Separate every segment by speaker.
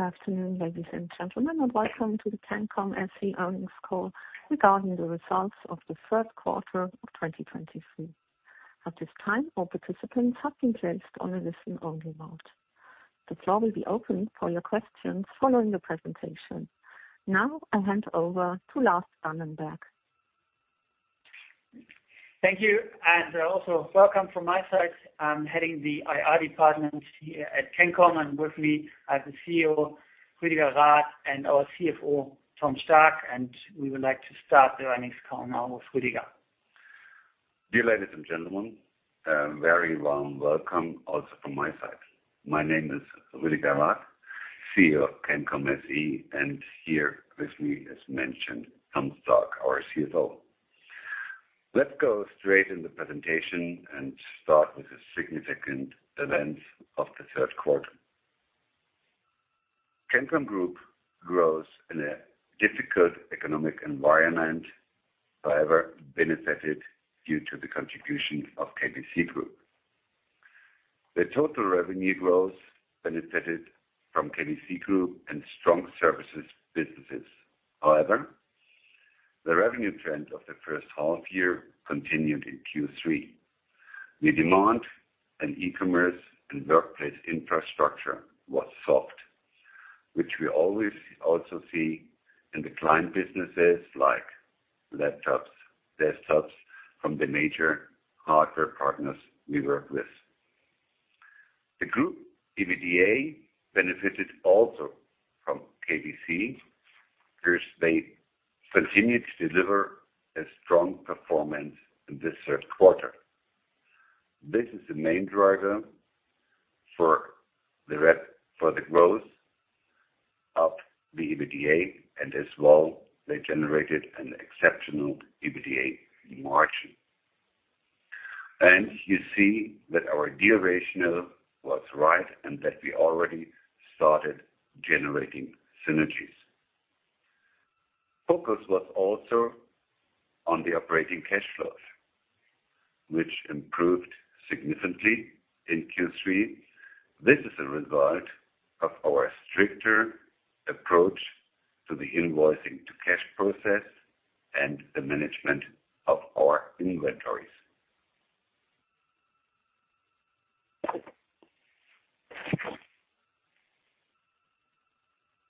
Speaker 1: Good afternoon, ladies and gentlemen, and welcome to the CANCOM SE earnings call regarding the results of the third quarter of 2023. At this time, all participants have been placed on a listen-only mode. The floor will be open for your questions following the presentation. Now, I hand over to Lars Dannenberg.
Speaker 2: Thank you, and also welcome from my side. I'm heading the IR department here at Cancom, and with me are the CEO, Rüdiger Rath, and our CFO, Tom Stark. We would like to start the earnings call now with Rüdiger.
Speaker 3: Dear ladies and gentlemen, very warm welcome also from my side. My name is Rüdiger Rath, CEO of CANCOM SE, and here with me, as mentioned, Tom Stark, our CFO. Let's go straight in the presentation and start with the significant events of the third quarter. CANCOM Group grows in a difficult economic environment, however, benefited due to the contribution of KBC Group. The total revenue growth benefited from KBC Group and strong services businesses. However, the revenue trend of the first half year continued in Q3, with demand in e-commerce and workplace infrastructure was soft, which we always also see in the client businesses like laptops, desktops from the major hardware partners we work with. The group EBITDA benefited also from KBC, because they continued to deliver a strong performance in this third quarter. This is the main driver for the growth of the EBITDA, and as well, they generated an exceptional EBITDA margin. You see that our de-risking was right and that we already started generating synergies. Focus was also on the operating cash flows, which improved significantly in Q3. This is a result of our stricter approach to the invoicing to cash process and the management of our inventories.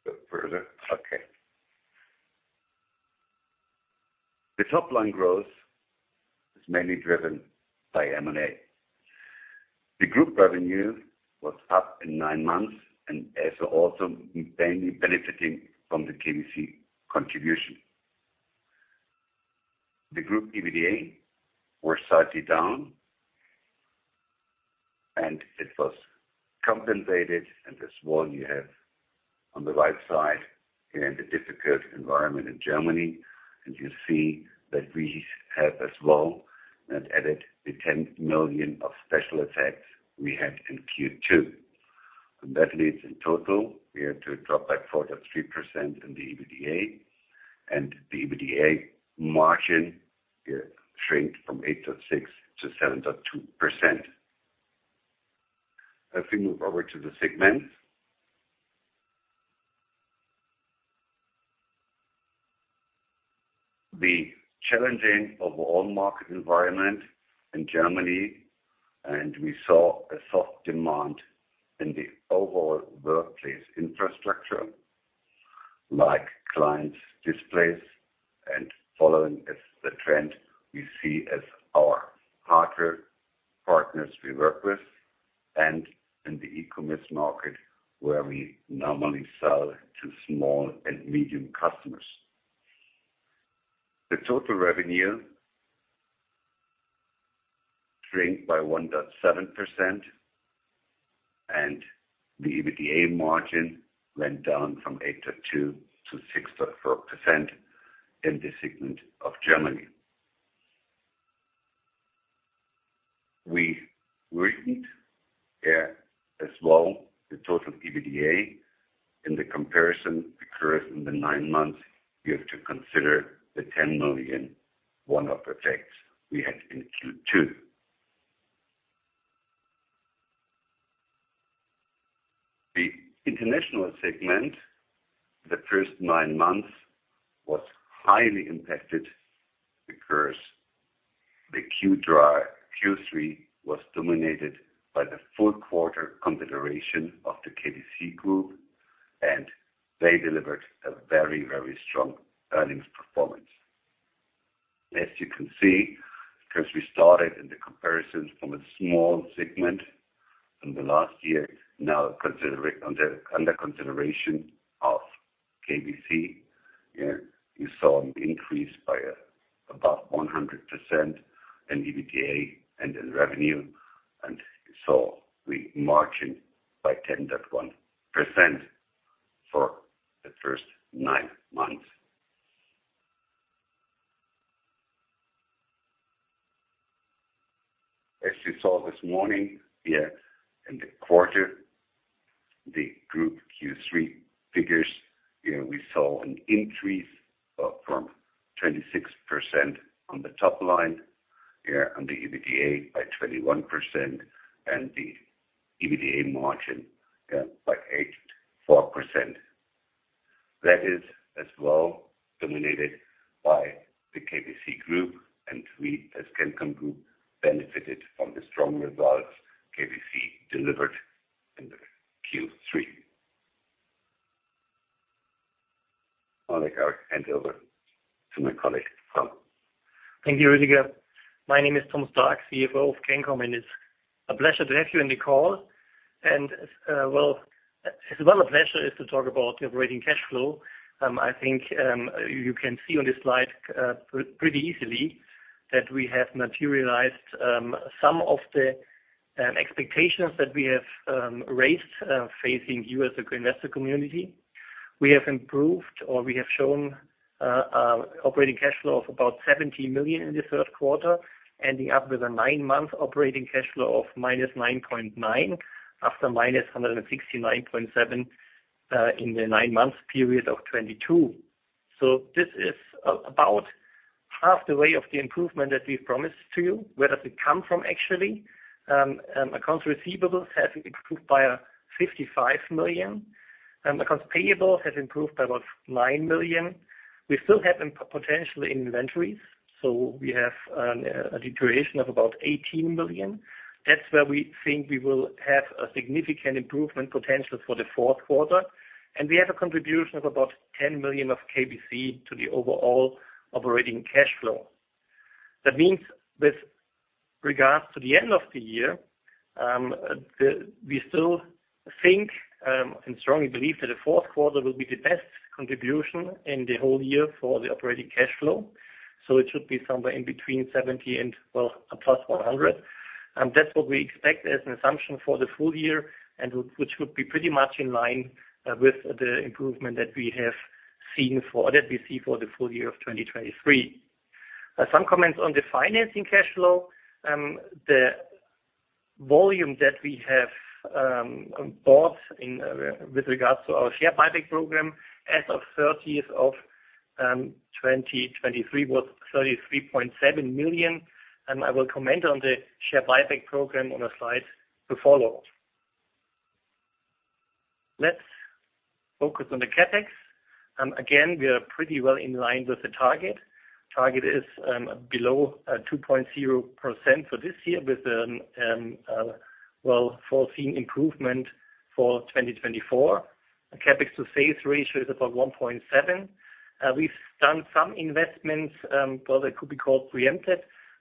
Speaker 3: Go further? Okay. The top-line growth is mainly driven by M&A. The group revenue was up in nine months and as also benefiting from the KBC contribution. The group EBITDA were slightly down, and it was compensated, and as well, you have on the right side, in the difficult environment in Germany, and you see that we have as well, and added the 10 million of special effects we had in Q2. That leads in total, we had to drop back 4.3% in the EBITDA, and the EBITDA margin shrink from 86% to 72%. If we move over to the segment. The challenging overall market environment in Germany, and we saw a soft demand in the overall workplace infrastructure, like clients, displays, and following the trend we see at our partners we work with, and in the e-commerce market, where we normally sell to small and medium customers. The total revenue shrink by 1.7%, and the EBITDA margin went down from 82% to 64% in the segment of Germany. We reached, as well, the total EBITDA in the comparison period in the nine months. You have to consider the 10 million one-off effects we had in Q2. The international segment, the first nine months, was highly impacted because the Q3 was dominated by the full quarter consideration of the KBC Group, and they delivered a very, very strong earnings performance. As you can see, because we started in the comparisons from a small segment in the last year, now considering, under consideration of KBC, you saw an increase by about 100% in EBITDA and in revenue, and so we margin by 10.1% for the first nine months. As you saw this morning, here in the quarter, the group Q3 figures. Here we saw an increase of from 26% on the top line, here on the EBITDA by 21% and the EBITDA margin by 84%. That is as well dominated by the KBC Group, and we, as CANCOM Group, benefited from the strong results KBC delivered in the Q3. I'll like hand over to my colleague, Tom.
Speaker 4: Thank you, Rüdiger. My name is Thomas Stark, CFO of CANCOM, and it's a pleasure to have you in the call. And, well, as well, a pleasure is to talk about operating cash flow. I think, you can see on this slide, pretty easily that we have materialized, some of the, expectations that we have, raised, facing you as the investor community. We have improved, or we have shown, operating cash flow of about 70 million in the third quarter, ending up with a nine month operating cash flow of -9.9 million, after -169.7 million, in the nine month period of 2022. So this is about half the way of the improvement that we promised to you. Where does it come from, actually? Accounts receivables have improved by 55 million, and accounts payable has improved by about 9 million. We still have potential in inventories, so we have a deterioration of about 18 million. That's where we think we will have a significant improvement potential for the fourth quarter. And we have a contribution of about 10 million of KBC to the overall operating cash flow. That means with regards to the end of the year, we still think and strongly believe that the fourth quarter will be the best contribution in the whole year for the operating cash flow. So it should be somewhere in between 70 and, well, a +100. That's what we expect as an assumption for the full year, and which would be pretty much in line with the improvement that we have seen for, that we see for the full year of 2023. Some comments on the financing cash flow. The volume that we have bought in with regards to our share buyback program as of 30th of 2023 was 33.7 million, and I will comment on the share buyback program on a slide to follow. Let's focus on the CapEx. Again, we are pretty well in line with the target. Target is below 2.0% for this year, with well foreseen improvement for 2024. CapEx to sales ratio is about 1.7. We've done some investments, well, that could be called preempted.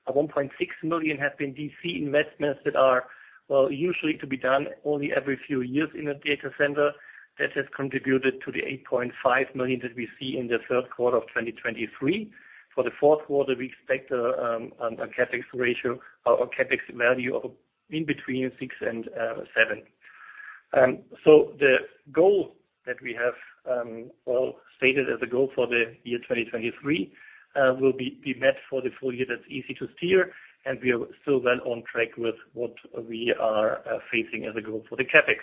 Speaker 4: 1.6 million have been DC investments that are, well, usually to be done only every few years in a data center. That has contributed to the 8.5 million that we see in the third quarter of 2023. For the fourth quarter, we expect a CapEx ratio or a CapEx value of between 6 million and 7 million. So the goal that we have, well, stated as a goal for the year 2023 will be met for the full year. That's easy to steer, and we are still well on track with what we are facing as a goal for the CapEx.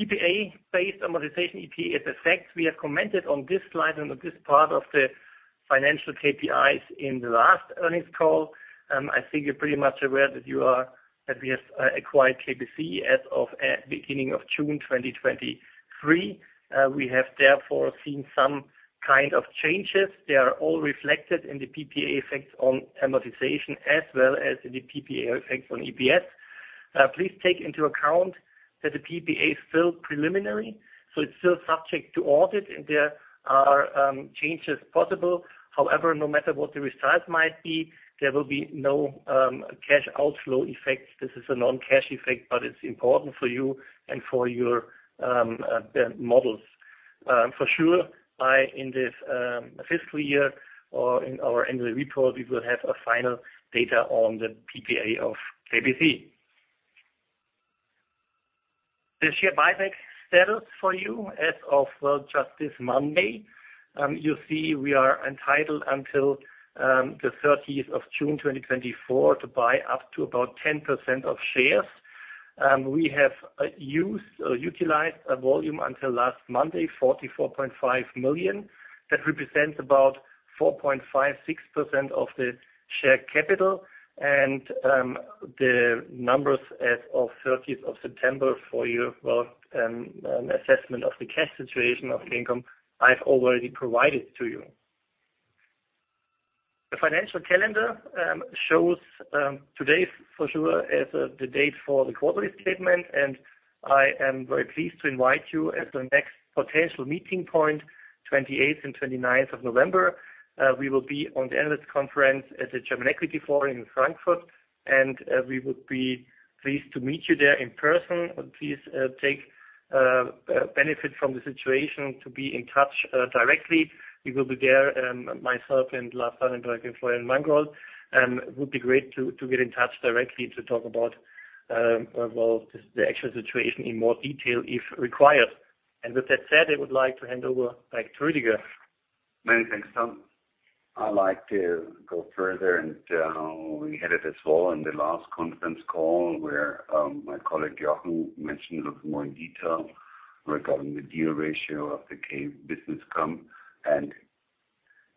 Speaker 4: PPA-based amortization EPS effects, we have commented on this slide and on this part of the financial KPIs in the last earnings call. I think you're pretty much aware that you are, that we have acquired KBC as of beginning of June 2023. We have therefore seen some kind of changes. They are all reflected in the PPA effects on amortization as well as in the PPA effects on EPS. Please take into account that the PPA is still preliminary, so it's still subject to audit, and there are changes possible. However, no matter what the results might be, there will be no cash outflow effects. This is a non-cash effect, but it's important for you and for your models. For sure, by in this fiscal year or in our annual report, we will have a final data on the PPA of KBC. The share buyback status for you as of just this Monday, we are entitled until the 30th of June 2024 to buy up to about 10% of shares. We have used or utilized a volume until last Monday, 44.5 million. That represents about 4.56% of the share capital and the numbers as of 30th of September for your assessment of the cash situation of income I've already provided to you. The financial calendar shows today for sure as the date for the quarterly statement, and I am very pleased to invite you at the next potential meeting point, 28th and 29th of November. We will be at the analyst conference at the German Equity Forum in Frankfurt, and we would be pleased to meet you there in person. Please take benefit from the situation to be in touch directly. We will be there, myself and Lars Dannenberg and Florian Mangold, would be great to get in touch directly to talk about well the actual situation in more detail, if required. With that said, I would like to hand over back to Rüdiger.
Speaker 3: Many thanks, Tom. I'd like to go further, and we had it as well in the last conference call, where my colleague, Jochen, mentioned a little more in detail regarding the deal rationale of the K-Businesscom, and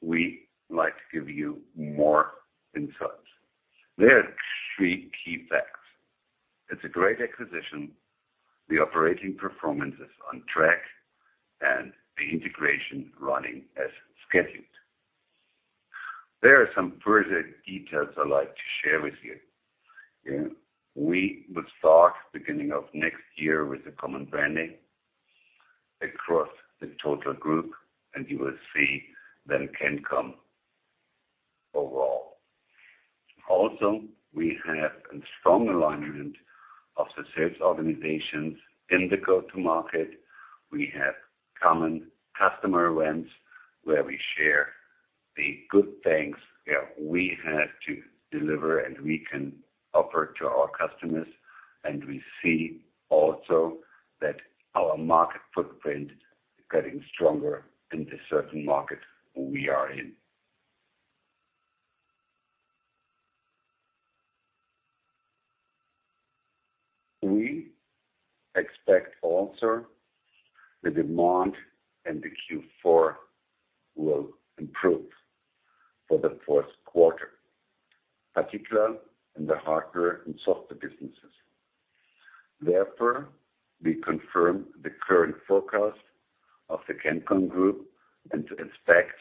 Speaker 3: we like to give you more insights. There are three key facts: It's a great acquisition, the operating performance is on track, and the integration running as scheduled. There are some further details I'd like to share with you. Yeah, we will start beginning of next year with a common branding across the total group, and you will see then CANCOM overall. Also, we have a strong alignment of the sales organizations in the go-to-market. We have common customer events, where we share the good things that we have to deliver, and we can offer to our customers, and we see also that our market footprint is getting stronger in the certain market we are in. We expect also the demand in the Q4 will improve for the fourth quarter, particularly in the hardware and software businesses. Therefore, we confirm the current forecast of the CANCOM Group and to expect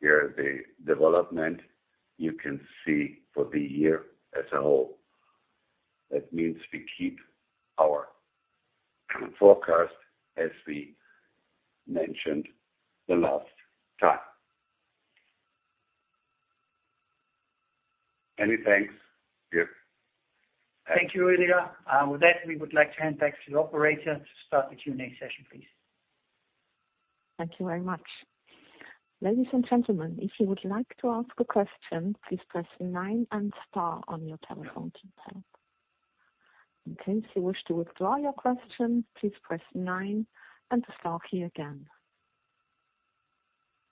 Speaker 3: here the development you can see for the year as a whole. That means we keep our current forecast as we mentioned the last time. Many thanks. Yep.
Speaker 2: Thank you, Rüdiger. With that, we would like to hand back to the operator to start the Q&A session, please.
Speaker 1: Thank you very much. Ladies and gentlemen, if you would like to ask a question, please press nine and star on your telephone keypad. In case you wish to withdraw your question, please press nine and the star key again.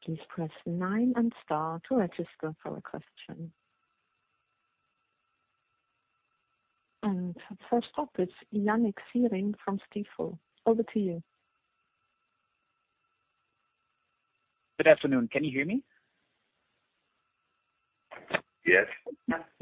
Speaker 1: Please press nine and star to register for a question. First up, it's Yannik Siering from Stifel. Over to you.
Speaker 5: Good afternoon. Can you hear me?
Speaker 3: Yes.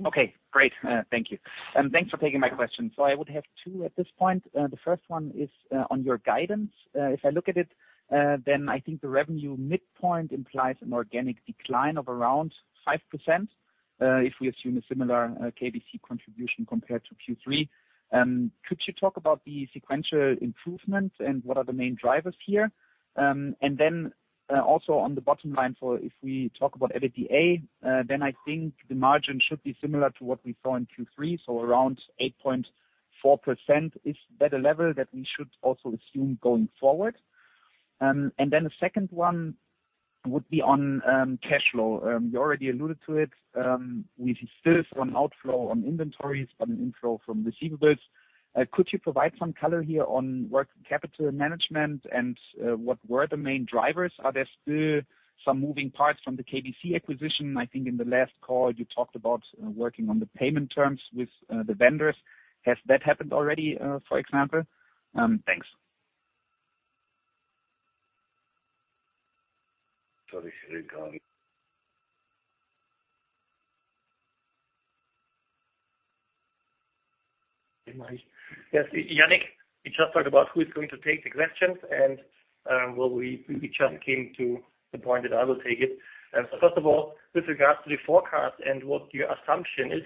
Speaker 5: Okay, great. Thank you. And thanks for taking my question. So I would have two at this point. The first one is on your guidance. If I look at it, then I think the revenue midpoint implies an organic decline of around 5%, if we assume a similar KBC contribution compared to Q3. Could you talk about the sequential improvement, and what are the main drivers here? And then, also on the bottom line, so if we talk about EBITDA, then I think the margin should be similar to what we saw in Q3, so around 8.4%. Is that a level that we should also assume going forward? And then the second one would be on cash flow. You already alluded to it. We see still some outflow on inventories, but an inflow from receivables. Could you provide some color here on working capital management and what were the main drivers? Are there still some moving parts from the KBC acquisition? I think in the last call, you talked about working on the payment terms with the vendors. Has that happened already, for example? Thanks.
Speaker 3: Sorry, here you go.
Speaker 4: Yes, Yannik, we just talked about who is going to take the questions, and well, we just came to the point that I will take it. So first of all, with regards to the forecast and what your assumption is,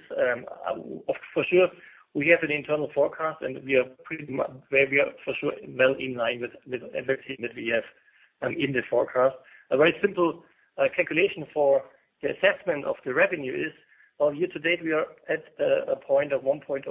Speaker 4: for sure, we have an internal forecast, and we are pretty much where we are for sure well in line with everything that we have in the forecast. A very simple calculation for the assessment of the revenue is, well, year to date, we are at a point of 1.062.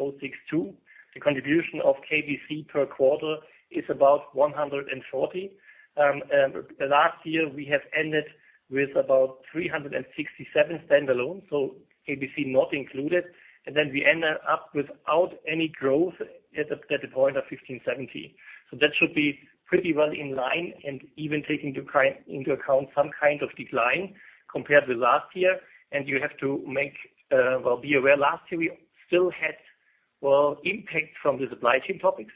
Speaker 4: The contribution of KBC per quarter is about 140. The last year, we have ended with about 367 standalone, so KBC not included, and then we ended up without any growth at the point of 1,570. That should be pretty well in line and even taking into account some kind of decline compared with last year. You have to be aware, last year, we still had impact from the supply chain topics.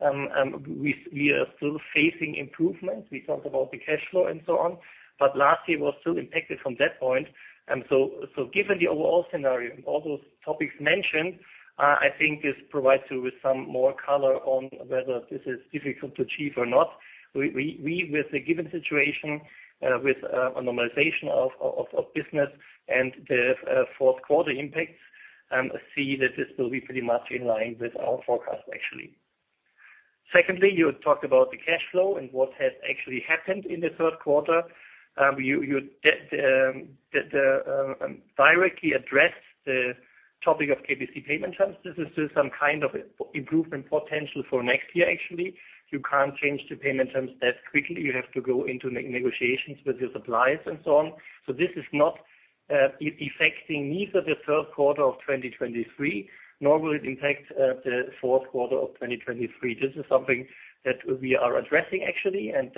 Speaker 4: We are still facing improvements. We talked about the cash flow and so on, but last year was still impacted from that point. So given the overall scenario, all those topics mentioned, I think this provides you with some more color on whether this is difficult to achieve or not. With the given situation, with a normalization of business and the fourth quarter impact, I see that this will be pretty much in line with our forecast, actually. Secondly, you talked about the cash flow and what has actually happened in the third quarter. You did directly address the topic of KBC payment terms. This is still some kind of improvement potential for next year, actually. You can't change the payment terms that quickly. You have to go into negotiations with your suppliers and so on. So this is not affecting neither the third quarter of 2023, nor will it impact the fourth quarter of 2023. This is something that we are addressing, actually, and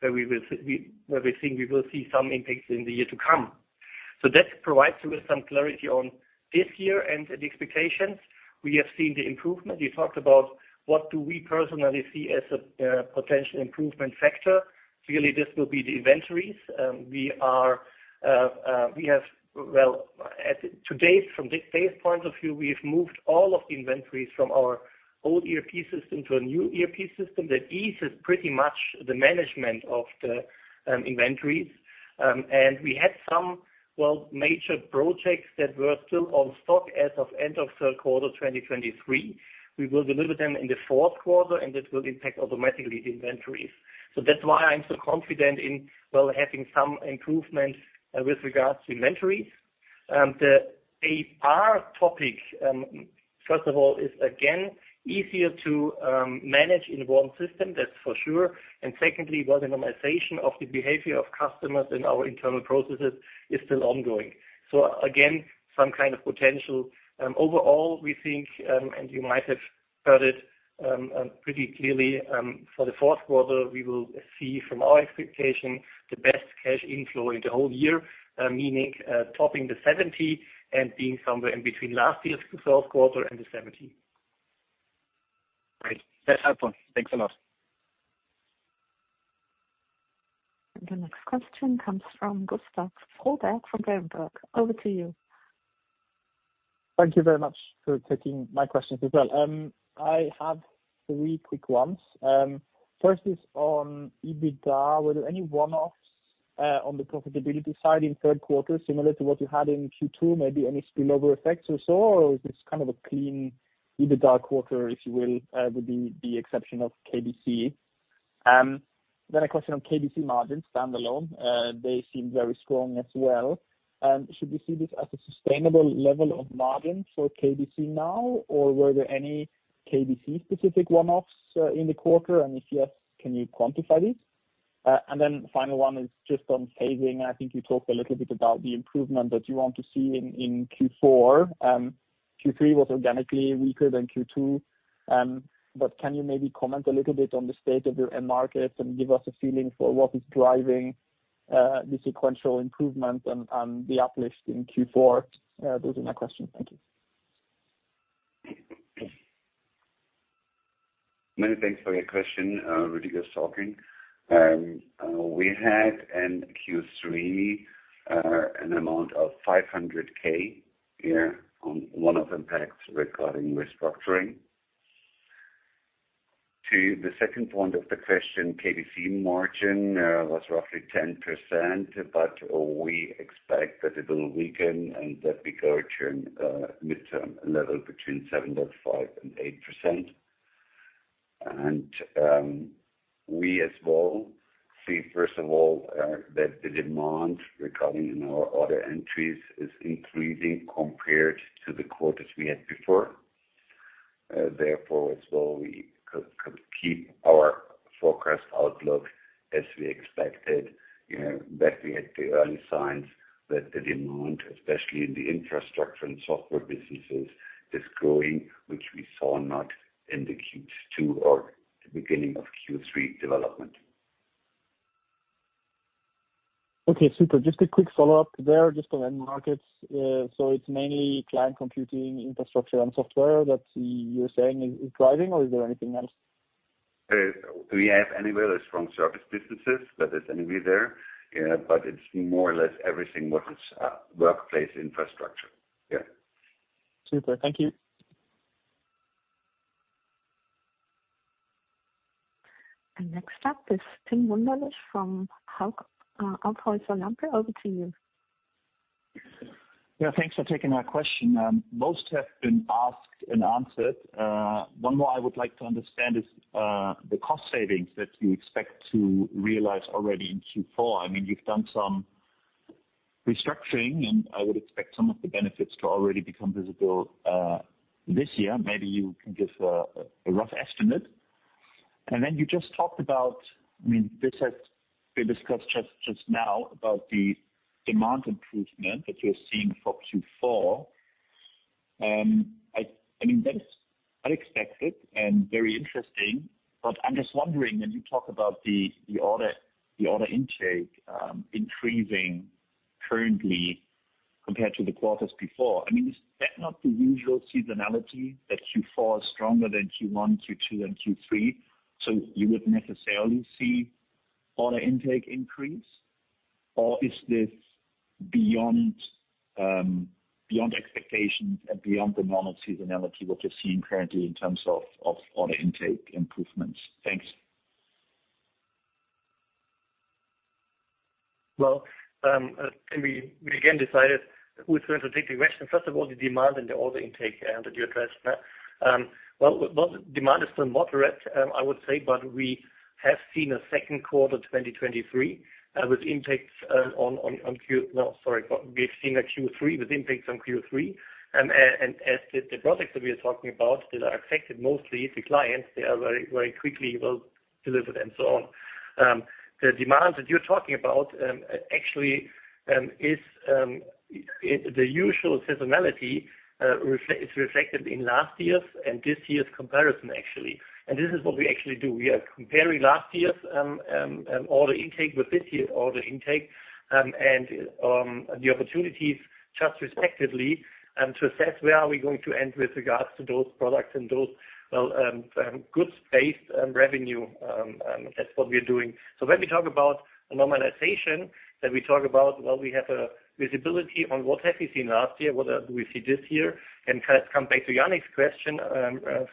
Speaker 4: where we think we will see some impacts in the year to come. So that provides you with some clarity on this year and the expectations. We have seen the improvement. You talked about what do we personally see as a potential improvement factor? Really, this will be the inventories. We have, well, up to date, from the date point of view, we've moved all of the inventories from our old ERP system to a new ERP system. That eases pretty much the management of the inventories. And we had some, well, major projects that were still on stock as of end of third quarter, 2023. We will deliver them in the fourth quarter, and this will impact automatically the inventories. So that's why I'm so confident in, well, having some improvement, with regards to inventories. The AR topic, first of all, is again, easier to manage in one system, that's for sure. And secondly, while minimization of the behavior of customers and our internal processes is still ongoing. So again, some kind of potential. Overall, we think, and you might have heard it, pretty clearly, for the fourth quarter, we will see from our expectation, the best cash inflow in the whole year, meaning, topping the 70 and being somewhere in between last year's fourth quarter and the 70.
Speaker 5: Great. That's helpful. Thanks a lot.
Speaker 1: The next question comes from Gustav Froberg, from Berenberg. Over to you.
Speaker 6: Thank you very much for taking my questions as well. I have three quick ones. First is on EBITDA. Were there any one-offs, on the profitability side in third quarter, similar to what you had in Q2, maybe any spillover effects or so? Or is this kind of a clean EBITDA quarter, if you will, with the exception of KBC? Then a question on KBC margins standalone. They seem very strong as well. Should we see this as a sustainable level of margin for KBC now, or were there any KBC specific one-offs, in the quarter? And if yes, can you quantify this? And then the final one is just on savings. I think you talked a little bit about the improvement that you want to see in Q4. Q3 was organically weaker than Q2. Can you maybe comment a little bit on the state of your end markets and give us a feeling for what is driving the sequential improvement and the uplift in Q4? Those are my questions. Thank you.
Speaker 3: Many thanks for your question, Rüdiger talking. We had in Q3 an amount of 500,000 on one-off impacts regarding restructuring. To the second point of the question, KBC margin was roughly 10%, but we expect that it will weaken and that we go to midterm level between 7.5% and 8%. And we as well see, first of all, that the demand regarding in our order entries is increasing compared to the quarters we had before. Therefore, as well, we keep our forecast outlook as we expected, you know, that we had the early signs that the demand, especially in the infrastructure and software businesses, is growing, which we saw not in the Q2 or the beginning of Q3 development.
Speaker 6: Okay, super. Just a quick follow-up there, just on end markets. So it's mainly client computing, infrastructure, and software that you're saying is driving, or is there anything else?
Speaker 3: We have anywhere the strong service businesses, that is anywhere there. Yeah, but it's more or less everything what is workplace infrastructure. Yeah.
Speaker 6: Super. Thank you.
Speaker 1: Next up is Tim Wunderlich from Hauck Aufhäuser Lampe. Over to you.
Speaker 7: Yeah, thanks for taking my question. Most have been asked and answered. One more I would like to understand is the cost savings that you expect to realize already in Q4. I mean, you've done some restructuring, and I would expect some of the benefits to already become visible this year. Maybe you can give a rough estimate. And then you just talked about, I mean, this has been discussed just now about the demand improvement that you're seeing for Q4. I mean, that is unexpected and very interesting, but I'm just wondering, when you talk about the order intake increasing currently compared to the quarters before, I mean, is that not the usual seasonality, that Q4 is stronger than Q1, Q2, and Q3, so you would necessarily see order intake increase? Or is this beyond expectations and beyond the normal seasonality, what you're seeing currently in terms of order intake improvements? Thanks.
Speaker 4: Well, and we again decided who is going to take the question. First of all, the demand and the order intake, and that you addressed that. Well, demand is still moderate, I would say, but we have seen a second quarter, 2023, with intakes on Q no, sorry, we've seen a Q3 with impacts on Q3. And as the products that we are talking about that are affected, mostly the clients, they are very, very quickly well delivered and so on. The demand that you're talking about, actually, is the usual seasonality, is reflected in last year's and this year's comparison, actually. This is what we actually do. We are comparing last year's order intake with this year's order intake, and the opportunities just respectively, to assess where are we going to end with regards to those products and those, well, good space and revenue. That's what we are doing. So when we talk about a normalization, then we talk about, well, we have a visibility on what have we seen last year, what do we see this year? And kind of come back to Yannick's question,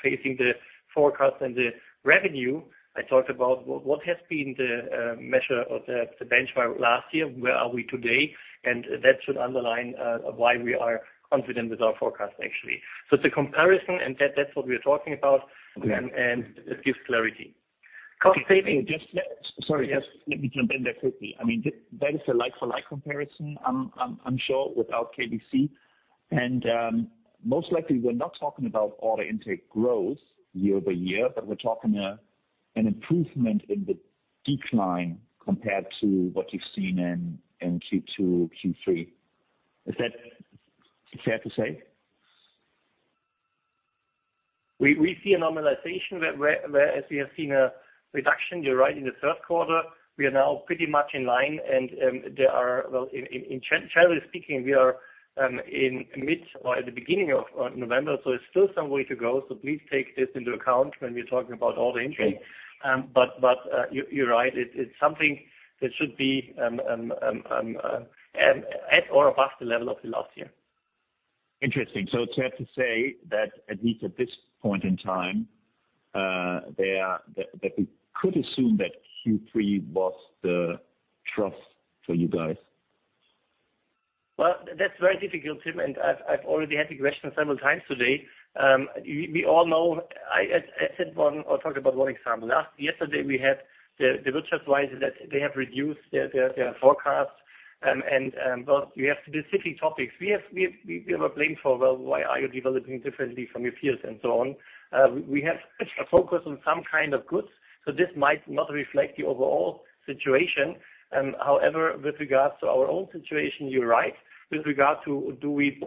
Speaker 4: facing the forecast and the revenue, I talked about what has been the measure of the benchmark last year? Where are we today? And that should underline why we are confident with our forecast, actually. So it's a comparison, and that, that's what we are talking about.
Speaker 7: Okay.
Speaker 4: It gives clarity.
Speaker 7: Cost saving. Just, sorry, just let me jump in there quickly. I mean, that is a like-for-like comparison, I'm sure, without KBC. And most likely, we're not talking about order intake growth year-over-year, but we're talking an improvement in the decline compared to what you've seen in Q2, Q3. Is that fair to say?
Speaker 4: We see a normalization whereas we have seen a reduction, you're right, in the third quarter. We are now pretty much in line, and there are. Well, generally speaking, we are in mid or at the beginning of November, so it's still some way to go. So please take this into account when we're talking about order intake. But you're right. It's something that should be at or above the level of the last year.
Speaker 7: Interesting. So it's fair to say that at least at this point in time, we could assume that Q3 was the trough for you guys?
Speaker 4: Well, that's very difficult, Tim, and I've already had the question several times today. We all know, I said one or talked about one example. Yesterday, we had The Butcher's Wife, that they have reduced their forecast. And, well, we have specific topics. We have a blame for, well, why are you developing differently from your peers and so on? We have a focus on some kind of goods, so this might not reflect the overall situation. However, with regards to our own situation, you're right. With regard to do we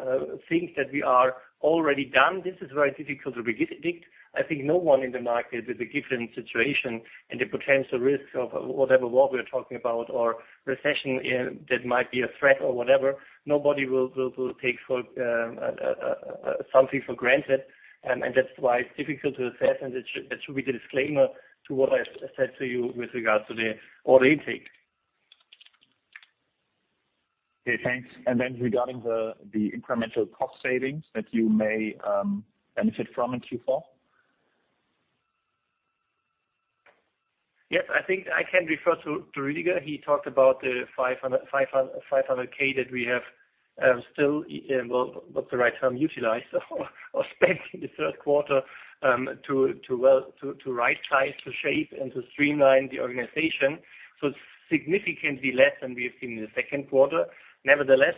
Speaker 4: think that we are already done, this is very difficult to predict. I think no one in the market, with the different situation and the potential risks of whatever war we are talking about or recession, that might be a threat or whatever, nobody will take something for granted. And that's why it's difficult to assess, and that should be the disclaimer to what I said to you with regards to the order intake.
Speaker 7: Okay, thanks. And then regarding the incremental cost savings that you may benefit from in Q4?
Speaker 4: Yes, I think I can refer to Rüdiger. He talked about the 500,000 that we have still, well, what's the right term, utilized, or spent in the third quarter, to right size, to shape, and to streamline the organization. So it's significantly less than we have seen in the second quarter. Nevertheless,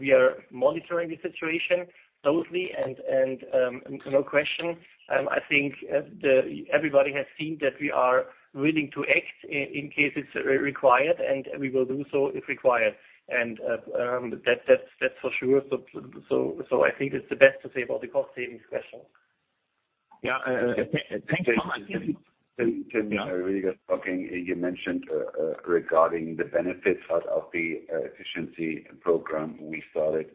Speaker 4: we are monitoring the situation closely, and no question, I think everybody has seen that we are willing to act in case it's required, and we will do so if required. And that's for sure. So I think it's the best to say about the cost savings question.
Speaker 7: Yeah, thanks so much.
Speaker 3: Can I. Rüdiger talking, you mentioned regarding the benefits out of the efficiency program we started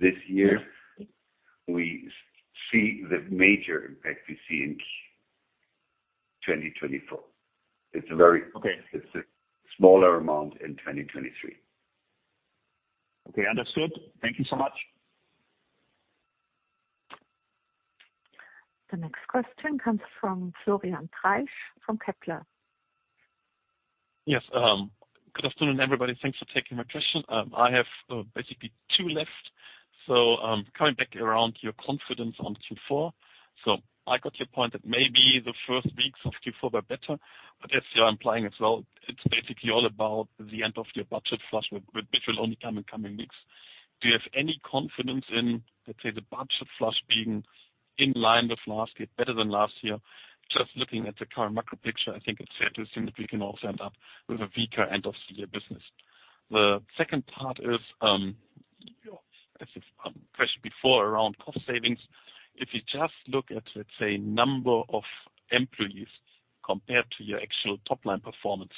Speaker 3: this year. We see the major impact we see in 2024. It's a very.
Speaker 7: Okay.
Speaker 3: It's a smaller amount in 2023.
Speaker 7: Okay, understood. Thank you so much.
Speaker 1: The next question comes from Florian Treisch from Kepler.
Speaker 8: Yes, good afternoon, everybody. Thanks for taking my question. I have basically two left. So, coming back around your confidence on Q4. So I got your point that maybe the first weeks of Q4 were better, but as you are implying as well, it's basically all about the end of your budget flush with, which will only come in coming weeks. Do you have any confidence in, let's say, the budget flush being in line with last year, better than last year? Just looking at the current macro picture, I think it's fair to assume that we can all end up with a weaker end of the year business. The second part is, as a question before, around cost savings. If you just look at, let's say, number of employees compared to your actual top line performance,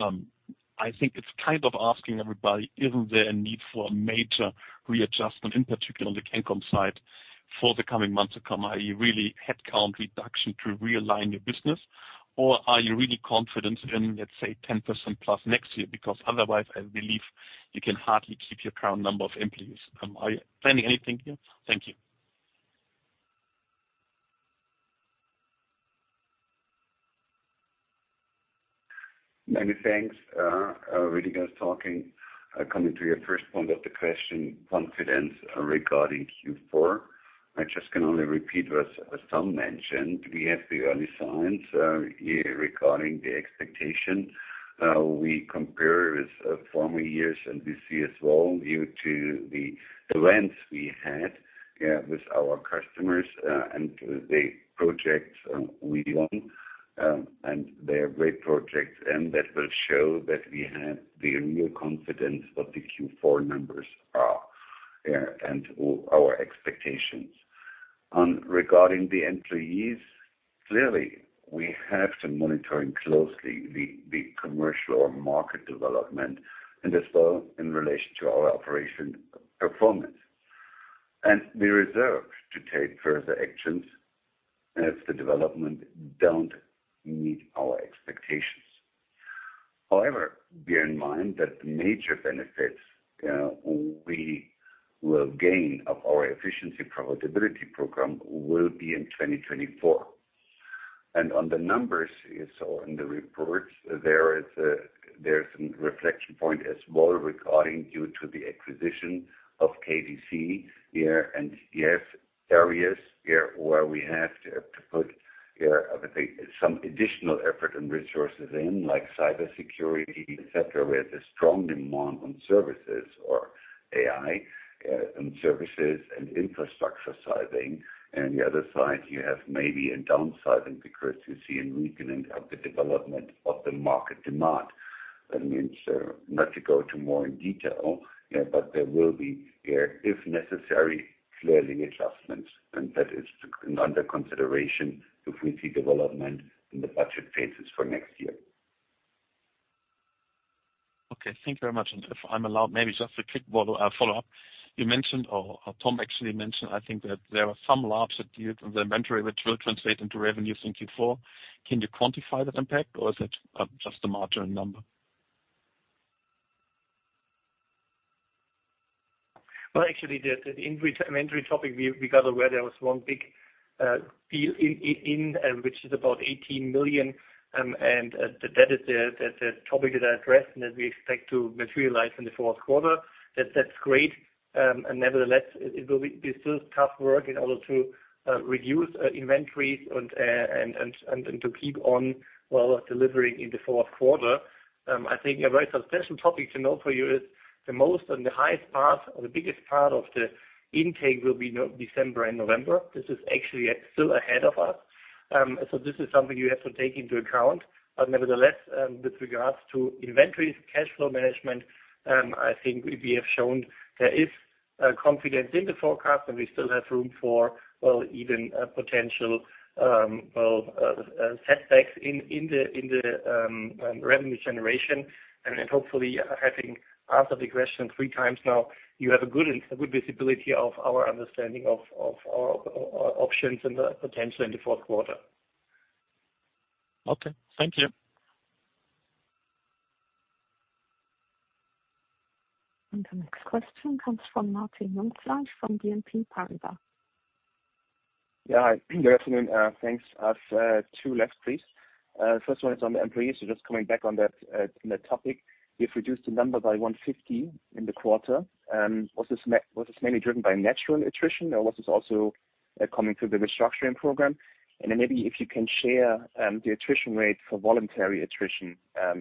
Speaker 8: I think it's kind of asking everybody, isn't there a need for a major readjustment, in particular on the CANCOM side, for the coming months to come? Are you really headcount reduction to realign your business, or are you really confident in, let's say, 10%+ next year? Because otherwise, I believe you can hardly keep your current number of employees. Are you planning anything here? Thank you.
Speaker 3: Many thanks, Rüdiger talking. Coming to your first point of the question, confidence regarding Q4, I just can only repeat what Tom mentioned. We have the early signs regarding the expectation. We compare with former years, and we see as well, due to the events we had with our customers and the projects we won. And they are great projects, and that will show that we have the real confidence of the Q4 numbers are and all our expectations. Regarding the employees, clearly, we have to monitoring closely the commercial or market development, and as well in relation to our operation performance. We reserve to take further actions if the development don't meet our expectations. However, bear in mind that the major benefits we will gain of our efficiency profitability program will be in 2024. And on the numbers you saw in the report, there's some reflection point as well, regarding due to the acquisition of KBC. And you have areas where we have to put, I think, some additional effort and resources in, like cybersecurity, et cetera, where the strong demand on services or AI and services and infrastructure sizing. And the other side, you have maybe a downsizing because you see a weakening of the development of the market demand. That means, not to go to more in detail, but there will be, if necessary, clearly adjustments, and that is under consideration if we see development in the budget phases for next year.
Speaker 8: Okay, thank you very much. And if I'm allowed, maybe just a quick follow, follow-up. You mentioned, or, or Tom actually mentioned, I think, that there are some labs that deal with the inventory, which will translate into revenues in Q4. Can you quantify that impact, or is it just a marginal number?
Speaker 4: Well, actually, the inventory topic, we got aware there was one big deal in which is about 18 million. And that is the topic that I addressed, and that we expect to materialize in the fourth quarter. That's great. And nevertheless, it will be still tough work in order to reduce inventories and to keep on, well, delivering in the fourth quarter. I think a very substantial topic to note for you is the most and the highest part, or the biggest part of the intake will be in December and November. This is actually still ahead of us. So this is something you have to take into account. But nevertheless, with regards to inventories, cash flow management, I think we have shown there is confidence in the forecast, and we still have room for, well, even potential, well, setbacks in the revenue generation. And then, hopefully, I think after the question three times now, you have a good visibility of our understanding of our options and the potential in the fourth quarter.
Speaker 8: Okay, thank you.
Speaker 1: The next question comes from Martin Jungfleisch from BNP Paribas.
Speaker 9: Yeah, hi. Good afternoon, thanks. I've two left, please. First one is on the employees. So just coming back on that, on that topic, you've reduced the number by 150 in the quarter. Was this mainly driven by natural attrition, or was this also coming through the restructuring program? And then maybe if you can share the attrition rate for voluntary attrition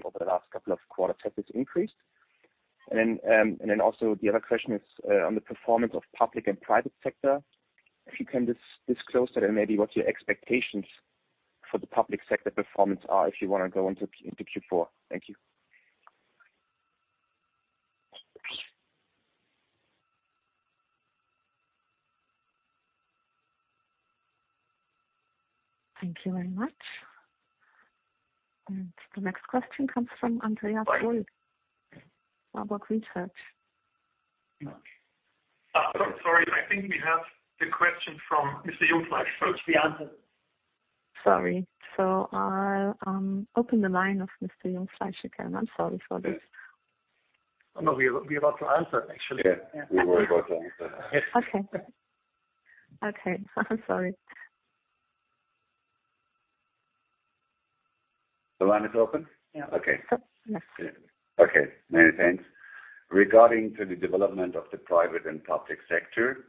Speaker 9: over the last couple of quarters, have this increased? And then, and then also, the other question is on the performance of public and private sector. If you can disclose that and maybe what your expectations for the public sector performance are, if you want to go into Q4. Thank you.
Speaker 1: Thank you very much. The next question comes from Andreas Wolf, Warburg Research.
Speaker 4: Sorry, I think we have the question from Mr. Jungfleisch, so it's the answer.
Speaker 1: Sorry. So I'll open the line of Mr. Jungfleisch again. I'm sorry for this.
Speaker 4: No, we're about to answer, actually.
Speaker 3: Yeah, we're about to answer.
Speaker 1: Okay. Okay, I'm sorry.
Speaker 3: The line is open?
Speaker 1: Yeah.
Speaker 3: Okay.
Speaker 1: Yes.
Speaker 3: Okay, many thanks. Regarding to the development of the private and public sector,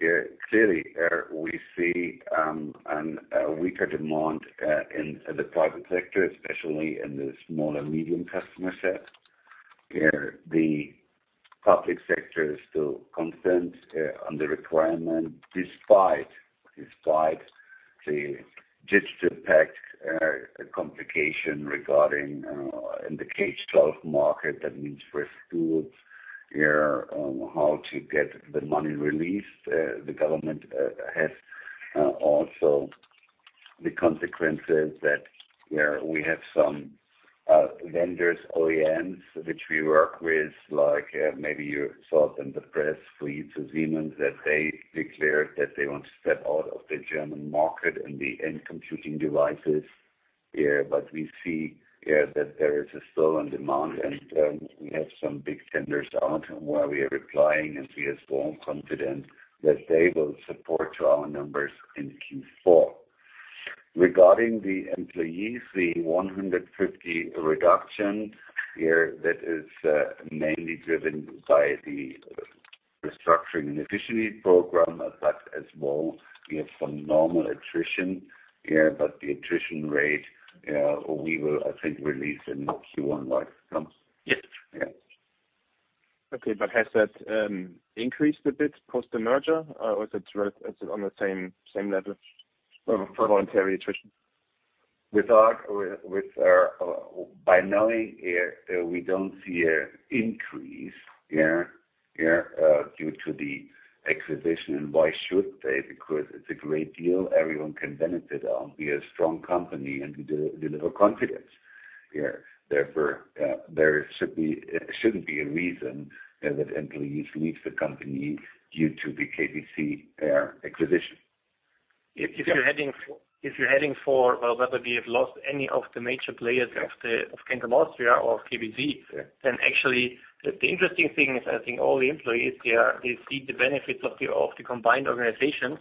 Speaker 3: yeah, clearly, we see a weaker demand in the private sector, especially in the small and medium customer set. Yeah, the public sector is still concerned on the requirement, despite the DigitalPakt complication regarding in the K-12 market. That means for schools, yeah, how to get the money released. The government has also the consequences that, yeah, we have some vendors, OEMs, which we work with, like, maybe you saw it in the press, Fujitsu Siemens, that they declared that they want to step out of the German market and the end computing devices. Yeah, but we see, yeah, that there is still on demand, and we have some big tenders out where we are replying, and we are strongly confident that they will support our numbers in Q4. Regarding the employees, the 150 reduction here, that is mainly driven by the restructuring and efficiency program, but as well, we have some normal attrition here, but the attrition rate, we will, I think, release in Q1 live comes.
Speaker 4: Yes.
Speaker 3: Yeah.
Speaker 9: Okay. But has that increased a bit post the merger, or is it right—is it on the same, same level for voluntary attrition?
Speaker 3: We don't see an increase due to the acquisition, and why should they? Because it's a great deal everyone can benefit on. We are a strong company, and we deliver confidence. Yeah. Therefore, there should be, shouldn't be a reason that employees leave the company due to the KBC acquisition.
Speaker 4: Well, whether we have lost any of the major players of the CANCOM Austria or KBC, then actually, the interesting thing is, I think all the employees, they see the benefits of the combined organizations.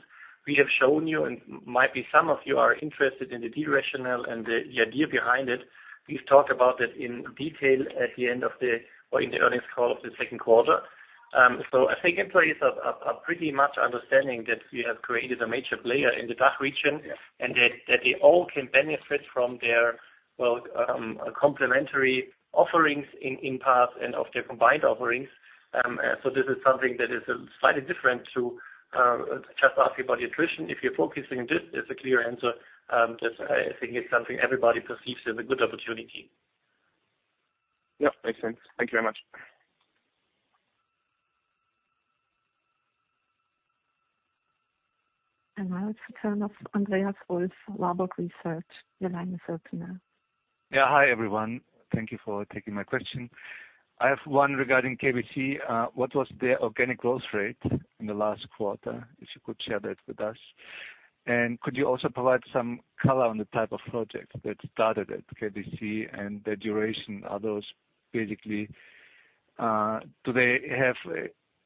Speaker 4: We have shown you, and might be some of you are interested in the deal rationale and the idea behind it. We've talked about it in detail at the end of the, or in the earnings call of the second quarter. So I think employees are pretty much understanding that we have created a major player in the DACH region-
Speaker 3: Yeah.
Speaker 4: - and that they all can benefit from their, well, complementary offerings in part, and of their combined offerings. So this is something that is slightly different to just ask you about the attrition. If you're focusing on this, it's a clear answer, that I think it's something everybody perceives as a good opportunity.
Speaker 9: Yeah, makes sense. Thank you very much.
Speaker 1: Now it's the turn of Andreas Wolf, Warburg Research. Your line is open now.
Speaker 10: Yeah, hi, everyone. Thank you for taking my question. I have one regarding KBC. What was their organic growth rate in the last quarter? If you could share that with us. And could you also provide some color on the type of projects that started at KBC and the duration? Are those basically do they have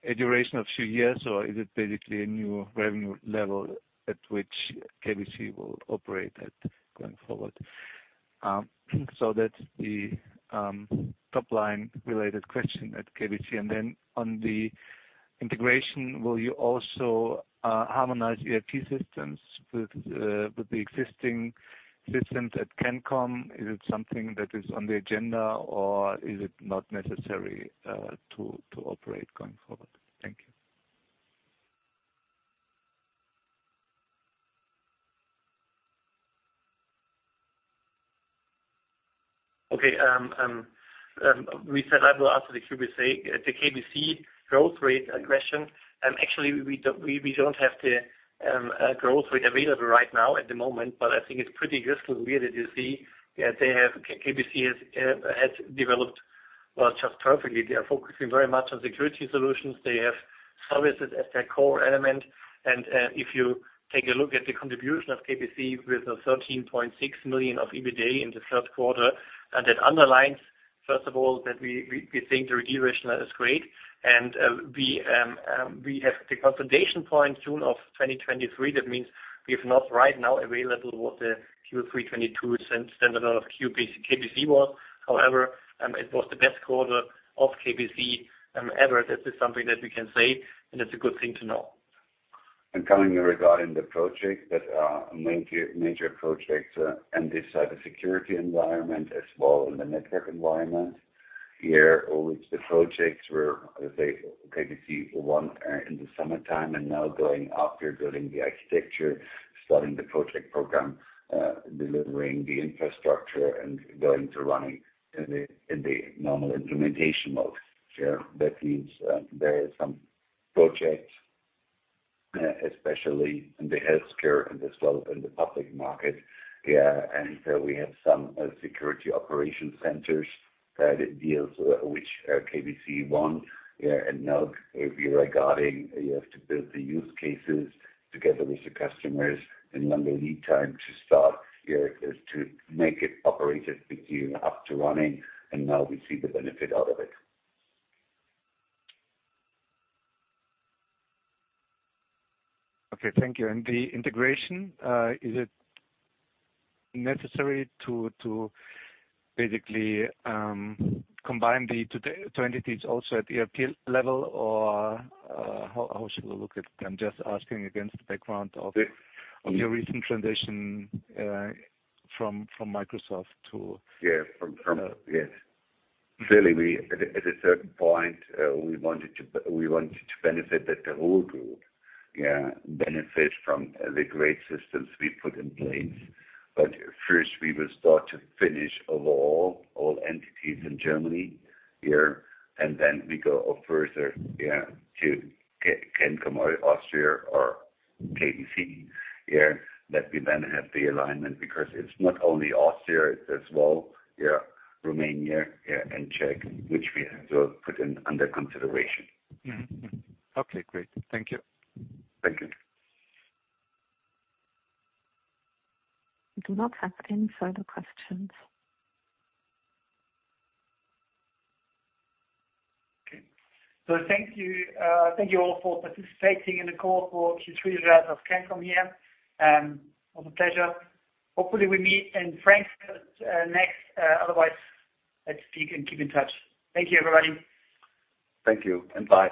Speaker 10: a duration of two years, or is it basically a new revenue level at which KBC will operate at going forward? So that's the top line related question at KBC. And then on the integration, will you also harmonize ERP systems with the existing systems at Cancom? Is it something that is on the agenda, or is it not necessary to operate going forward? Thank you.
Speaker 4: Okay, we said I will answer the KBC, the KBC growth rate question. Actually, we don't have the growth rate available right now at the moment, but I think it's pretty useful here that you see, yeah, KBC has developed, well, just perfectly. They are focusing very much on security solutions. They have services as their core element. And, if you take a look at the contribution of KBC with 13.6 million of EBITDA in the third quarter, and it underlines, first of all, that we think the deal rationale is great. And, we have the consolidation point, June 2023. That means we have not right now available what the Q3 2022 standard of KBC was. However, it was the best quarter of KBC, ever. This is something that we can say, and it's a good thing to know.
Speaker 3: Coming regarding the projects that are major, major projects, and this type of security environment as well in the network environment, here, which the projects were, let's say, KBC won, in the summertime, and now going after building the architecture, starting the project program, delivering the infrastructure and going to running in the, in the normal implementation mode. Yeah, that means, there is some projects, especially in the healthcare and as well in the public market. Yeah, and so we have some, security operation centers that deals with which KBC won. Yeah, and now, if you're regarding, you have to build the use cases together with the customers, and then the lead time to start here is to make it operated with you up to running, and now we see the benefit out of it.
Speaker 10: Okay, thank you. And the integration, is it necessary to basically combine the two entities also at the ERP level, or how should we look at it? I'm just asking against the background of-
Speaker 3: Yes.
Speaker 10: - of your recent transition from Microsoft to-
Speaker 3: Yeah. Yes. Clearly, we wanted to benefit that the whole group, yeah, benefit from the great systems we put in place. But first, we will start to finish overall all entities in Germany here, and then we go up further, yeah, to CANCOM Austria or KBC, yeah, that we then have the alignment, because it's not only Austria, it's as well, yeah, Romania, yeah, and Czech, which we have to put in under consideration.
Speaker 10: Mm-hmm. Okay, great. Thank you.
Speaker 3: Thank you.
Speaker 1: We do not have any further questions.
Speaker 4: Okay. So thank you. Thank you all for participating in the call for Q3 results of Cancom here. It was a pleasure. Hopefully, we meet in Frankfurt next, otherwise, let's speak and keep in touch. Thank you, everybody.
Speaker 3: Thank you, and bye.